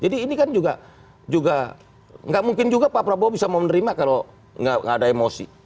jadi ini kan juga juga gak mungkin juga pak prabowo bisa mau menerima kalau gak ada emosi